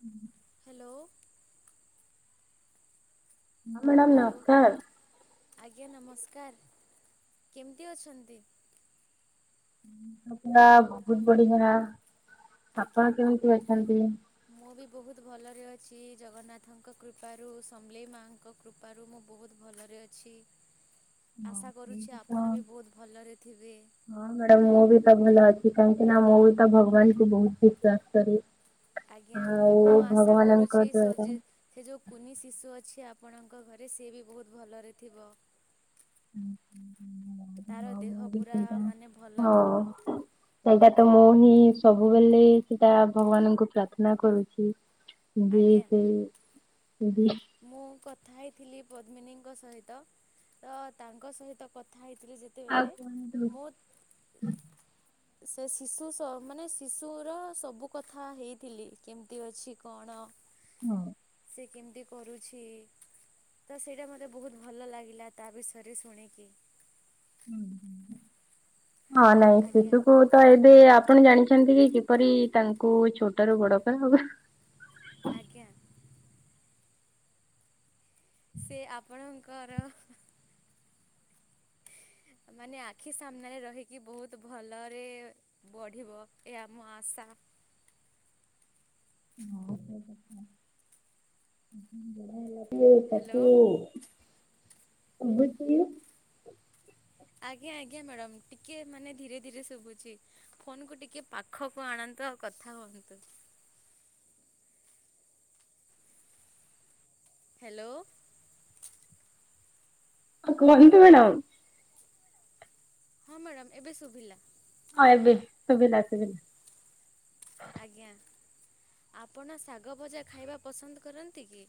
ହୁଁ [unintelligible] ହ୍ୟାଲୋ ହଁ madam hello ନମସ୍କାର ଆଜ୍ଞା ନମସ୍କାର କେମିତି ଅଛନ୍ତି ସବ୍ ବହୁତ ବଢିଆ ଆଜ୍ଞା ଆପଣ କେମିତି ଅଛନ୍ତି ମୁଁ ବି ବହୁତ ଭଲରେ ଅଛି ଜଗନ୍ନାଥଙ୍କ କୃପାରୁ ସମଲେଇ ମାଙ୍କ କୃପାରୁ ମୁଁ ବହୁତ ଭଲରେ ଅଛି ହଁ ଆଶା କରୁଛି ସେଇଟା ତ ଆପଣ ବି ବହୁତ ଭଲରେ ଥିବେ ହଁ ମ୍ୟାଡାାମ ମୁଁ ବି ତ ଭଲ ଅଛି କାହିଁକି ନା ମୁଁ ବି ତ ଭଗବାନ କୁ ବହୁତ ବିଶ୍ଵାସ କରେ ଆଜ୍ଞା ଆଉ ମୁଁ ଆଶା ଭଗବାନଙ୍କ କରୁଛି ଦ୍ଵାରା ସଜି ହଁ ସେ ଯେଉଁ କୁନି ଶିଶୁ ଅଛି ଆପଣଙ୍କ ଘରେ ସେ ବି ବହୁତ୍ ଭଲରେ ଥିବ ହୁଁ ହୁଁ ହୁଁ [unintelligible] ତାର ଦେହ ପୁରା ମାନେ ଭଲ ହଁ ଥିବ ସେଇଟା ତ ମୁଁ ହିଁ ସବୁବେଲେ ସେଟା ଭଗବାନଙ୍କୁ ପ୍ରାର୍ଥନା କରୁଛି ମୁ ଆଜ୍ଞା ସେଇ ଯଦି ମୁଁ କଥା ହେଇଥିଲି ପଦ୍ମିନୀଙ୍କ ସହିତ ତ ତାଙ୍କ ସହିତ କଥା ହେଇଥିଲି ଯେତେବେଲେ କୁହନ୍ତୁ ମୁଁ ସେ ଶିଶୁ ଶ ମାନେ ଶିଶୁର ସବୁ କଥା ହେଇଥିଲି କେମ କେମ୍ତି ଅଛି କଣ ହଁ ସେ କେମିତି କରୁଛି ତ ସେଇଟା ମୋତେ ବହୁତ ଭଲ ଲାଗିଲା ତା ବିଷୟରେ ଶୁଣିକି ହଁ ହଁ ନାଇଁ ଆଜ୍ଞା ସେଠୁ କହୁ ତ ଏବେ ଆପଣ ଜାଣିଛନ୍ତି କି କିପରି ତାଙ୍କୁ ଛୋଟ ରୁ ବଡ କରା ହବ ଆଜ୍ଞା ସେ ଆପଣଙ୍କର ମାନେ ଆଖି ସାମ୍ନାରେ ରହିକି ବହୁତ ଭଲରେ ବଢ଼ିବ ଏହା ମ ଆଶା [inaudible] ମୁଁ ତାକୁ ହ୍ୟାଲୋ ଶୁଭୁଚି ଆଜ୍ଞା ଆଜ୍ଞା ମ୍ୟାଡ଼ାମ ଟିକେ ମାନେ ଧୀରେ ଧୀରେ ଶୁଭୁଛି ଫୋନ କୁ ଟିକେ ପାଖକୁ ଆଣନ୍ତୁ ଆଉ କଥା ହୁଅନ୍ତୁ ହ୍ୟାଲୋ କୁହନ୍ତୁ ମ୍ୟାଡ଼ାାମ ହଁ ମ୍ୟାଡ଼ାମ ଏବେ ଶୁଭିଲା ହଁ ଏବେ ଶୁଭିଲା ଶୁଭିଲା ଆଜ୍ଞା ଆପଣ ଶାଗ ଭଜା ଖାଇବା ପସନ୍ଦ କରନ୍ତି କି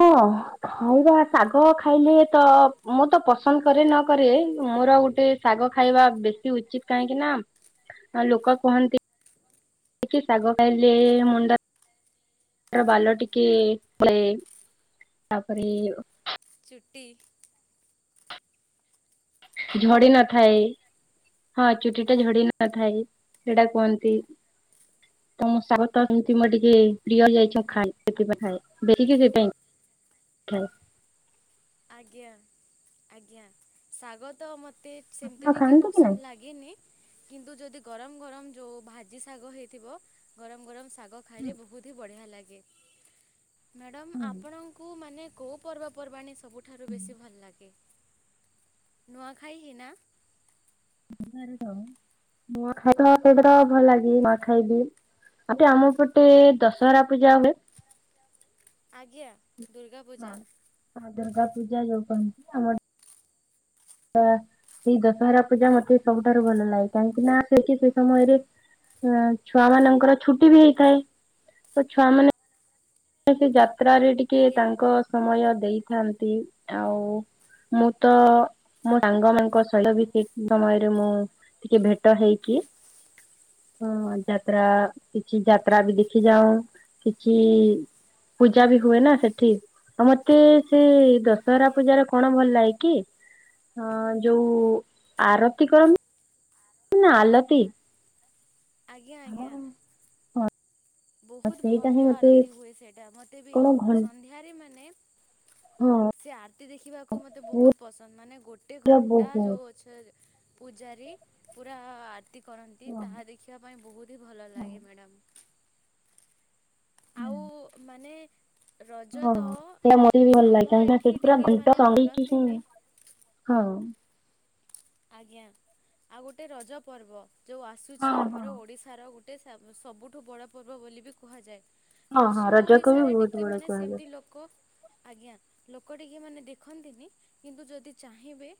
ହଁ ଖାଇବା ଶାଗ ଖାଇଲେ ତ ମୁଁ ତ ପସନ୍ଦ କରେ ନ କରେ ମୋର ଗୋଟେ ଶାଗ ଖାଇବା ବେଶୀ ଉଚିତ୍ କାହିଁକି ନା ଲୋକ କୁହନ୍ତି କି ଶାଗ ଖାଇଲେ ମୁଣ୍ଡ ବାଲ ଟିକେ [unintelligible] ତାପରେ ଚୁଟି ଝଡି ନଥାଏ ହଁ ଚୁଟି ଟା ଝଡି ନଥାଏ ସେଇଟା କୁହନ୍ତି [inaudible] ତ ମୁଁ ସାହୁତ [unintelligible] ଖାଏ ଆଜ୍ଞା ଆଜ୍ଞା ଶାଗ ତ ମତେ ସେମିତି ଆପଣ ଟିକେ ଖାଆନ୍ତି କି ନାଇଁ? ପସନ୍ଦ ଲାଗେ ଗେନି କିନ୍ତୁ ଯଦି ଯୋଉ ଗରମ ଗରମ ଯ ଭାଜି ଶାଗ ହେଇଥିବ ଗରମ ଗରମ ଶାଗ ଖାଇଲେ ବହୁତ ହି ବଢ଼ିଆ ଲାଗେ ମ୍ୟାଡ଼ମ୍ ଆପଣ କୁ ମାନେ କୋଉ ପର୍ବପର୍ବାଣୀ ସବୁ ଠାରୁ ବେଶୀ ଭଲ ଲାଗେ ନୂଆଖାଇ ହିଁ ନା ନୂଆ ଖାଇତ [unintelligible] ନୂଆ ଖାଇବି ଆଟେ ଆମ ପଟେ ଦଶହରା ପୂଜା ହୁଏ ଆଜ୍ଞା ଦୁର୍ଗା ପୂଜା ହଁ ଦୁର୍ଗା ପୂଜା ଯୋଉ କଛି ଆମର ତ ସେଇ ଦଶହରା ପୂଜା ମତେ ସବୁଠାରୁ ଭଲ ଲାଗେ କାହିଁକି ନା ସେଇଠି ସେ ସମୟରେ ଛୁଆ ମାନଙ୍କର ଛୁଟି ବି ହେଇଥାଏ ତ ଛୁଆ ମାନେ ସେ ଯାତ୍ରାରେ ଟିକେ ଆଜ୍ଞା ତାଙ୍କ ସମୟ ଦେଇଥାନ୍ତି ଆଉ ମୁଁ ତ ମୋ ସାଙ୍ଗ ମାନଙ୍କ ସହିତ ବି କିଛି ସମୟରେ ମୁଁ ଟିକେ ଭେଟ ହେଇକି ହଁ ଯାତ୍ରା କିଛି ଯାତ୍ରା ବି ଦେଖି ଯାଉ କିଛି ପୂଜା ବି ହୁଏ ନା ସେଠି ଆଉ ମତେ ସେ ଦଶହରା ଆଜ୍ଞା ପୂଜାର କଣ ଭଲ ଲାଗେ କି ହ ଯୋଉ ଆରତି କରନ୍ତିୁ ନା ଆଲତିୀ ଆଜ୍ଞା ଆଜ୍ଞା। ହଁ ବହୁତ ସେଇଟା ଭବ୍ୟ ହିଁ ମତେ ଆରତି ହୁଏ ସେଇଟା ମୋତେ ବି କଣ ସନ୍ଧ୍ୟାରେ ମାନେ ହୁଁ। ସେ ଆରତି ଦେଖିବାକୁ ମତେ ବହୁତ ପସନ୍ଦ ମାନେ ଗୋଟେ ଘଣ୍ଟା ବହୁତ ଯୋଉ ଅଛ ପୂଜାରୀ ପୁରା ଆରତି କରନ୍ତି ହଁ ତାହା ଦେଖିବା ପାଇଁ ବହୁତ ହି ଭଲ ଲାଗେ ହଁ। ମ୍ୟାଡ଼ାମ୍। ଆଉ ମାନେ ରଜ ହଁ ତ ସେ ମ ବି ଭଲ ଲାଗେ ଆମ କାହିଁି ଏଠି ସେଠି ଟିକେ ପୁରାଟ ମାନେ ମାନନ୍ତିନି ହଁ। ଆଜ୍ଞା ଆଉ ଗୋଟେ ରଜ ପର୍ବ ଯେଉଁ ଆସୁଛି ହଁ ହଁ। ଆମର ଓଡ଼ିଶାର ଗୋଟେ ଗୋଟେ ସବୁଠୁ ବଡ଼ ପର୍ବ ବୋଲି ବି କୁହାଯାଏ ହଁ ହଁ ପଶ୍ଚିମ ରଜକୁ ବି ଓଡ଼ିଶାରେ ବହୁତ ଟିକେ ବଡ ମାନେ କୁହାଯାଏ। ସେମତି ଲୋକ ଆଜ୍ଞା ଲୋକ ଟିକେ ମାନେ ଦେଖନ୍ତିନି କିନ୍ତୁ ଯଦି ଚାହିଁବେ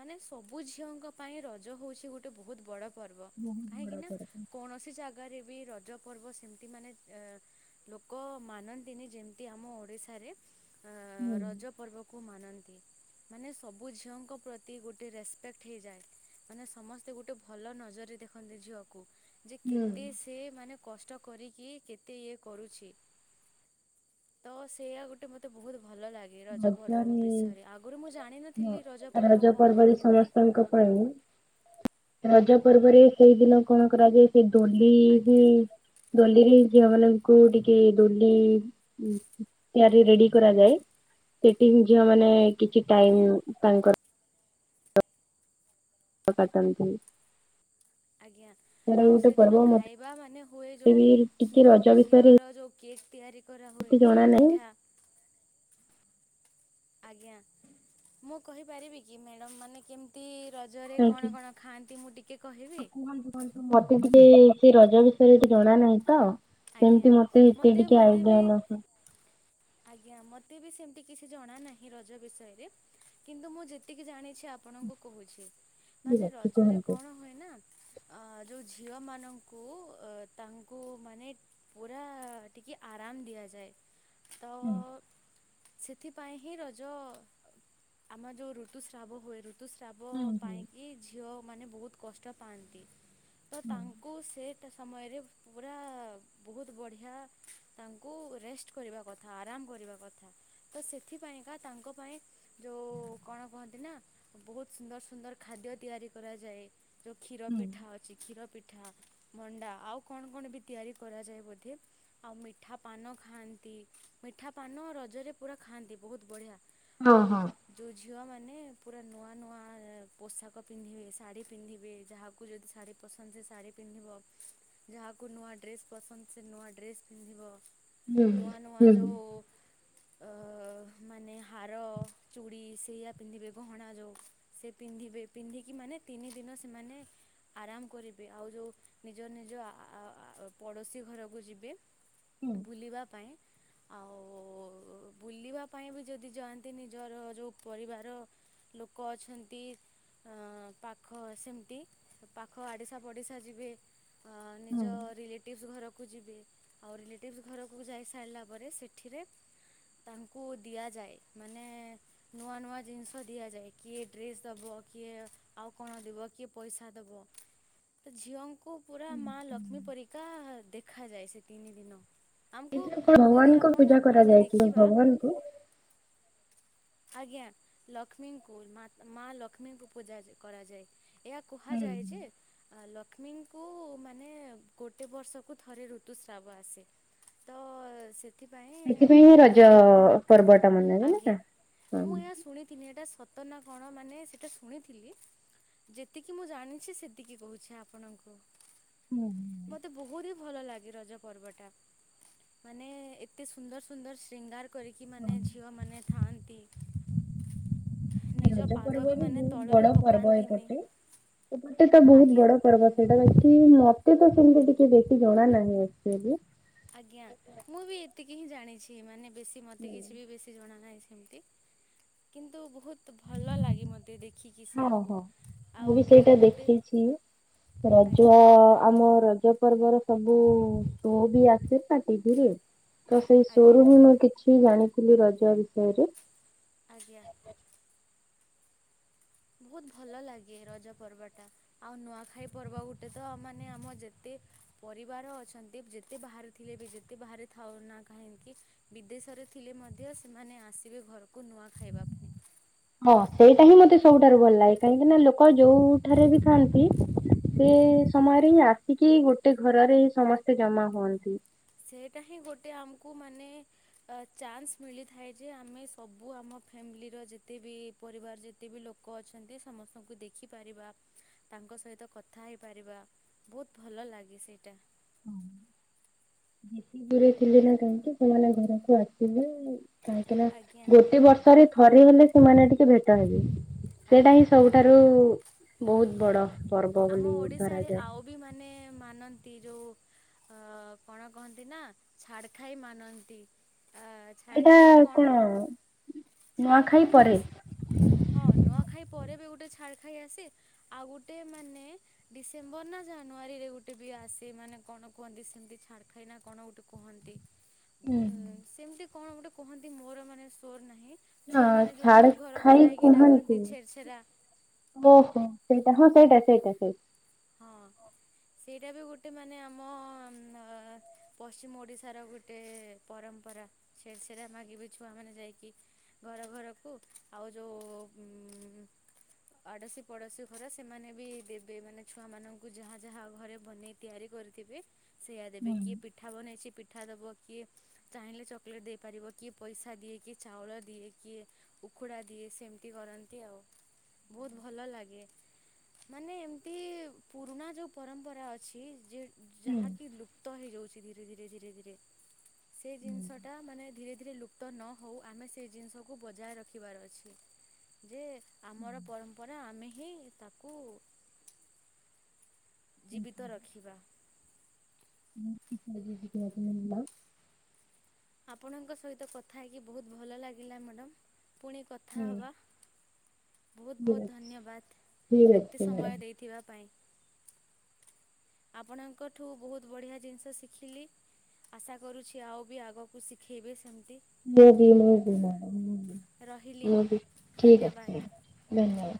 ମାନେ ସବୁ ସବୁ ଝିଅଙ୍କ ପାଇଁ ରଜ ହଉଛି ଗୋଟେ ବହୁତ ବଡ଼ ପର୍ବ ବହୁତ ବଡ କାହିଁକି ନା ପର୍ବ। କୌଣସି ଜାଗା ଜାଗାରେ ବି ରଜ ପର୍ବ ସେମିତି ମାନେ ଲୋକ ମାନନ୍ତିନି ଯେମତି ଆମ ଓଡ଼ିଶାରେ ହୁଁ ରଜ ପର୍ବକୁ ମାନନ୍ତି ମାନେ ସବୁ ଝିଅଙ୍କ ପ୍ରତି ଗୋଟେ ରେସ୍ପ ହେଇଯାଏ ମାନେ ସମସ୍ତେ ଗୋଟେ ଭଲ ନଜରରେ ଦେଖନ୍ତି ଝିଅକୁ ଯେ ହୁଁ କେତେ ସେ ମାନେ କଷ୍ଟ କରିକି କେତେ ଇଏ କରୁଛି ତ ସେଇଆ ଗୋଟେ ମତେ ବହୁତ ଭଲ ଲାଗେ ରଜ ପର୍ବ ରଜରେ ବିଷୟରେ ଆଗରୁ ମୁଁ ଜାଣି ଜଣ ନଥିଲି ରଜ ପର୍ବ କଣ କେମିତି କଣ ତାଙ୍କ ପାଇଁ ରଜ ପର୍ବରେ ସେଇଦିନ କଣ କରାଯାଇ ସେ ଡୋଲି ହଁ ଆଜ୍ଞା ଦଲିରେ ଝିଅମାନଙ୍କୁ ଟିକେ ଦୋଲି ଆରି ରେଡି କରାଯାଏ ସେଠି ଝିଅ ମାନେ କିଛି ଆଜ୍ଞା ଟାଇମ ତାଙ୍କର କାଟନ୍ତି ଆଜ୍ଞା ସେଟା ଆଉ ଗୋଟେ ସେଦିନ ପର୍ବ ମତେ ଖାଇବା ମାନେ ହୁଏ ଯେଉଁ ବି ଟିକେ କ୍ଷୀର ରଜ ବିଷୟରେ କ୍ଷୀରର ଯେଉଁ କେକ୍ ତିଆରି କରାହୁଏ ଏତେ ଜଣା କ୍ଷୀର ନାହିଁ ପିଠା ଆଜ୍ଞା ମୁଁ କହିପାରିବି କି ମ୍ୟାଡ଼ମ୍ ମାନେ କେମତି ରଜରେ କାହିଁକି କଣ କଣ ଖାଆନ୍ତି ମୁଁ ଟିକିଏ କହିବି? କ ମତେ ଟିକେ ସେ ରଜ ବିଷୟରେ ଜଣା ନାହିଁ ତ ଆଜ୍ଞା ସେମିତି ମତେ ଏତେ ମୋତେ ଟିକେ ମୋତେ ବି ଆଇଡିଆ ନାହିଁ। ଆଜ୍ଞା ମତେ ବି ସେମତି କିଛି ଜଣା ନାହିଁ ରଜ ବିଷୟରେ କିନ୍ତୁ ମୁଁ ଯେତିକି ଜାଣିଛି ଆପଣଙ୍କୁ କହୁଛି ମାନେ ବିରାଟ ରଜରେ କୁହନ୍ତି। କଣ ହୁଏ ନା ଅ ଯୋଉ ଝିଅ ମାନଙ୍କୁ ଅ ତାଙ୍କୁ ମାନେ ପୁରା ଟିକେ ଆରାମ ଦିଆଯାଏ ତ ସେଥିପାଇଁ ହିଁ ରଜ ଆମ ଯୋଉ ଋତୁସ୍ରାବ ହୁଏ ଋତୁ ଋତୁସ୍ରାବ ପାଇଁକି ଝିଅମାନେ ବହୁତ କଷ୍ଟ ପାଆନ୍ତି ତ ତାଙ୍କ କୁ ସେଇଟା ସମୟରେ ପୁରା ବହୁତ ବଢ଼ିଆ ତାଙ୍କୁ ରେଷ୍ଟ କରିବା କଥା ଆରାମ କରିବା କଥା ତ ସେଥିପାଇଁକା ତାଙ୍କ ପାଇଁ ଯୋଉଁ କଣ କୁହନ୍ତି ନା ବହୁତ ସୁନ୍ଦର ସୁନ୍ଦର ଖାଦ୍ୟ ତିଆରି କରାଯାଏ। ଯେଉଁ କ୍ଷୀର ପିଠା ଅଛି କ୍ଷୀର ପିଠା ମଣ୍ଡା ଆଉ କଣ କଣ ବି ତିଆରି କରାଯାଏ ବୋଧେ। ଆଉ ମିଠା ପାନ ଖାଆନ୍ତି ମିଠା ପାନ ରଜରେ ପୁରା ଖାଆନ୍ତି ବହୁତ ବଢ଼ିଆ। ଆଉ ଯେଉ ଝିଅମାନେ ପୁରା ନୂଆ ନୂଆ ପୋଷାକ ପିନ୍ଧିବେ ଶାଢ଼ୀ ପିନ୍ଧିବେ ଯାହାକୁ ଯଦି ଶାଢ଼ୀ ପସନ୍ଦ ଶାଢୀ ପିନ୍ଧିବ ଯାହାକୁ ନୂଆ ଡ୍ରେସ ପସନ୍ଦ ନୂଆ ଡ୍ରେସ ପିଧୀବ ହୁଁ ନୂଆ ନୂଆ ହୁଁ। ଯଉ ମାନେ ହାର ଚୁଡ଼ି ସେଇଆ ପିନ୍ଧିବେ ଗହଣା ଯଉଁ ସେ ପିନ୍ଧିବେ ପିନ୍ଧିକି ମାନେ ତିନି ଦିନ ସେମାନେ ଆରାମ କରିବି ଆଉ ଯେଉଁ ନିଜ ନିଜ [unintelligible] ପଡ଼ୋଶୀ ଘରକୁ ଯିବେ ବୁଲିବା ପାଇଁ ଆଉ ଓ ବୁଲିବା ପାଇଁ ବି ଯଦି ଯାଆନ୍ତି ନିଜର ଯେଉଁ ପରିବାର ଲୋକ ଅଛନ୍ତି। ପାଖ ସେମିତି ପାଖ ଆଡ଼ିଶା ପଡ଼ିଶା ଯିବେ। ଅ ନିଜ ରିଲେଟ ରଲେଟିଭ ଘରକୁ ଯିବେ ଆଉ ରିଲେଟିଭ ଘରକୁ ଯାଇସାରିଲା ପରେ ସେଠିରେ ତାଙ୍କୁ ଦିଆଯାଏ ମାନେ ନୂଆ ନୂଆ ଜିନିଷ ଦିଆଯାଏ କିଏ ଡ୍ରେସ୍ ଦବ କିଏ ଆଉ କଣ ଦବ। କିଏ ପଇସା ଦେବ ତ ଝିଅଙ୍କୁ ତା କୁ ପୁରା ମା ଲକ୍ଷ୍ମୀ ପରିକା ଦେଖାଯାଏ ସେ ତିନି ଦିନ। ଆମକୁ ଏଥିରେ କଣ ଯଦି ଭଗବାନଙ୍କ ଆପଣ ପୂଜା ଆମେ କରାଯାଏ କି ଦେଖିବା ଭଗବାନଙ୍କୁ ଆଜ୍ଞା ଲକ୍ଷ୍ମୀଙ୍କୁ ମା ଲକ୍ଷ୍ମୀଙ୍କୁ ପୂଜା କରାଯାଏ। ଏହା କୁହାଯାଏ ଯେ ଲକ୍ଷ୍ମୀଙ୍କୁ ମାନେ ଗୋଟେ ବର୍ଷକୁ ଥରେ ଋତୁସ୍ରାବ ଆସେ ତ ସେ ହିଁ ସେଥିପାଇଁ ରଜ ଲକ୍ଷ୍ମୀଙ୍କୁ ପର୍ବ ଟା ମନାଯାଏ ନା। ଆଜ୍ଞା ହଁ ମୁଁ ଏହା ଶୁଣି ତିନିଟା ସତ ନା କଣ ମାନେ ସେଇଟା ଶୁଣିଥିଲି ଯେତିକି ମୁଁ ଜାଣିଛି ସେତିକି କହୁଛି ଆପଣଙ୍କୁ। ହୁଁ ହୁଁ ମୋତେ ବହୁତ ହି ଭଲ ଲାଗେ ରଜ ପର୍ବଟା। ମାନେ ଏତେ ସୁନ୍ଦର ସୁନ୍ଦର ସିଙ୍ଗାର ଏମିତି କରିକି ଝିଅମାନେ ଥାଆନ୍ତି। ନିଜ ରଜ ପାଦ ପର୍ବ ବି ମାନେ ବହୁତ ତଳରେ ବଡ ପର୍ବ ପକାନ୍ତିନି ଏପଟେ ଏପଟେ ତ ବହୁତ ଆଜ୍ଞା ବଡ ପର୍ବ। ସେଇଟା ଅଛି ମତେ ତ ସେମିତି ଟିକେ ବେଶୀ ଜଣା ନାହିଁ ଆକ୍ଚଲି। ଆଜ୍ଞା ମୁଁ ବି ଏତିକି ହିଁ ଜାଣିଛି ମାନେ ବେଶୀ ମତେ ହୁଁ। କିଛି ବି ବେଶୀ ଜଣା ନାହିଁ ସେମିତି କିନ୍ତୁ ବହୁତ ତ ଭଲ ଲାଗେ ମୋତେ ଦେଖିକି ହଁ ସେଆକୁ ହଁ ମୁଁ ଆଉ ବି ଟିକେ ସେଇଟା ଗୋଟେ ଦେଖିଛି। ରଜ ଆଜ୍ଞା ଆମ ରଜ ପର୍ବର ସବୁ ଶୋ ବି ଆସେ ନା ଟିଭିରେ ତ ସେଇ ଆଜ୍ଞା ସୋରୁ ହିଁ ମୁଁ କିଛି ଜାଣିଥିଲି ରଜ ବିଷୟରେ ଆଜ୍ଞା ବହୁତ ଭଲ ଲାଗେ ରଜ ପର୍ବଟା। ଆଉ ନୂଆଖାଇ ପର୍ବ ଗୋଟେ ତ ମାନେ ଆମ ଯେତେ ପରିବାର ଅଛନ୍ତି ଯେତେ ବାହାରେ ଥିଲେ ବି ଯେତେ ବାହାରେ ଥାଉ ନା କାହିଁକି? ବିଦେଶରେ ଥିଲେ ମଧ୍ୟ ସେମାନେ ଆସିବେ ଘରକୁ ନୂଆ ଖାଇବା ପାଇଁ। ହଁ ସେଇଟା ହିଁ ମତେ ସବୁଠାରୁ ଭଲ ଲାଗେ କାହିଁକିନା ଲୋକ ଯୋଉଠାରେ ବି ଖାଆନ୍ତି ସେ ସମୟରେ ହିଁ ଆସିକି ଗୋଟେ ଘରରେ ସମସ୍ତେ ଜମା ହୁଅନ୍ତି। ସେଇଟା ହିଁ ଗୋଟେ ଆମକୁ ମାନେ ଚାନ୍ସ ମିଳିଥାଏ ଯେ ଆମେ ସବୁ ଆମ ଫ୍ୟାମିଲିର ଯେତେ ବିି ପରିବାର ଯେତେ ବିି ଲୋକ ଲୋକ ଅଛନ୍ତି ସମସ୍ତଙ୍କୁ ଦେଖିପାରିବା ତାଙ୍କ ସହିତ କଥା ହେଇପାରିବା। ବହୁତ ଭଲ ଲାଗେ ସେଇଟା। ଯେତେ ଦୂରେ ଥିଲେ ନା କାହିଁକି ସେମାନେ ଘରକୁ ଆସିବେ। କାହିଁକି ନା ଆଜ୍ଞା ଗୋଟେ ବର୍ଷରେ ଥରେ ହେଲେ ସେମାନେ ଟିକେ ଭେଟ ହେବେ ସେଇଟା ଆଜ୍ଞା ହିଁ ସବୁଠ ସେଠାରୁ ବହୁତ ବଡ ପର୍ବ ଆମ ବୋଲି ଓଡ଼ିଶାରେ ଧରାଯାଏ। ଆଉ ବି ମାନେ ମାନନ୍ତି ଯୋଉ ଅ କଣ କହନ୍ତି ନା ଛାଡ଼ ଖାଇ ମାନନ୍ତି ଆ ଛାଡ ଖାଇରେ କଣ ଛାଡ ନୂଆଖାଇ ଖାଇ ତ ପରେ। ହଁ ନୂଆଖାଇ ପରେ ବି ଗୋଟେ ଛାଡ ଖାଇ ଆସେ ଆଉ ଗୋଟେ ମାନେ ଡିସେମ୍ବର ନା ଜାନୁଆରୀରେ ଗୋଟେ ବି ଆସେ ମାନେ କଣ କୁହନ୍ତି ସେମିତି ଛାଡ଼ ଖାଇନା କଣ ଗୋଟେ କୁହନ୍ତି। ହୁଁ। ଉଁ ସେମିତି କଣ ଗୋଟେ କହନ୍ତି ମୋର ମାନେ ସୋର ନାହିଁ। ନା ଛୁଆମାନେ ଯୋଉଁ ଘର ଛାଡ ଘରକୁ ଖାଇ ଯାଇକି କୁହନ୍ତି। ଡାକନ୍ତି ଛେର ଛେରା। ଓହୋ ସେଇଟା ହଁ ସେଇଟା ସେଇଟା ସେଇଟା। ହଁ ସେଇଟା ବି ଗୋଟେ ମାନେ ଆମ ପଶ୍ଚିମ ଓଡ଼ିଶାର ଗୋଟେ ପରମ୍ପରା ଛେର ଚେରା ମାଗିବେ ଛୁଆମାନେ ଯାଇକି। ଘର ଘରକୁ ଆଉ ଯେଉଁ ଆଡୋଶୀ ପଡୋଶୀ ଘର ସେମାନେ ବି ଦେବେ ମାନେ ଛୁଆମାନଙ୍କୁ ଯାହା ଯାହା ଘରେ ବନେଇ ତିଆରି କରିଥିବେ। ସେଇୟା ଦେବେ କିଏ ପିଠା ବନେଇଛି ପିଠା ଦବ କିଏ ଚାହିଁଲେ ଚକୋଲେଟ୍ ଦେଇପାରିବ କିଏ ପଇସା ଦିଏ କିଏ ଚାଉଳ ଦିଏ କିଏ ଉକୁଡ଼ା ଦିଏ ସେମିତି କରନ୍ତି ଆଉ ବହୁତ ଭଲ ଲାଗେ ମାନେ ଏମତି ଏମତି ପୁରୁଣା ଯେଉଁ ପରମ୍ପରା ଅଛି ଯେ ଯାହାକି ଲୁପ୍ତ ହେଇଯାଉଛି ଧୀରେ ଧୀରେ ଧୀରେ ଧୀରେ। ସେ ଜିନିଷଟା ମାନେ ଧୀରେ ଧୀରେ ଲୁପ୍ତ ନହଉ ଆମେ ସେ ଜିନିଷକୁ ବଜାୟ ରଖିବାର ଅଛି। ଯେ ଆମର ପରମ୍ପରା ଆମେ ହିଁ ତାକୁ ଜୀବିତ ରଖିବା। ହଁ ଠା ତମେ ମିିଲ। ଆପଣଙ୍କ ସହିତ କଥା ହେଇକି ବହୁତ ଭଲ ଲାଗିଲା ମ୍ୟାଡ଼ମ୍ ପୁଣି କଥା ହବା ବହୁତ୍ ବହୁତ ଧନ୍ୟବଦ୍ ଏତେ ସମୟ ଦେଇ ଥିବା ପାଇଁ ଆପଣଙ୍କଠୁ ବହୁତ ବଢିଆ ଜିନିଷ ଶିଖିଲି। ଆଶା କରୁଛି ଆଉ ବି ଆଗକୁ ଶିଖେଇବ ସେମିତି। ମୁଁ ବି ମୁଁ ବି ମୁଁ ରହିଲି ବି ମୁଁ ଠିକ ଅଛି ଧନ୍ୟବାଦ ଧନ୍ୟବାଦ।